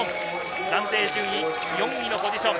暫定順位４位のポジション。